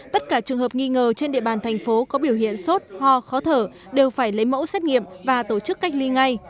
tất cả trường hợp nghi ngờ trên địa bàn thành phố có biểu hiện sốt ho khó thở đều phải lấy mẫu xét nghiệm và tổ chức cách ly ngay